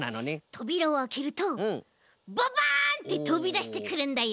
とびらをあけるとババンってとびだしてくるんだよ。